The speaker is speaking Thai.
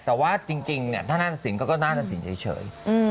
แต่ว่าจริงถ้านาศสินก็นาศสินเฉย